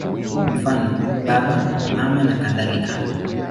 Mfano: Baba, Mama nakadhalika.